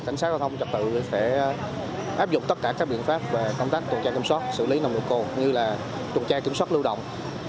cảnh sát giao thông trật tự sẽ áp dụng tất cả các biện pháp về công tác tuần tra kiểm soát xử lý nồng độ cồn như là tuần tra kiểm soát lưu động